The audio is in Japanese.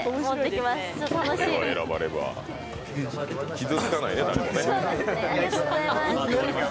傷つかないね、誰もね。